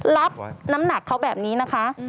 รับน้ำหนักเขาแบบนี้นะคะ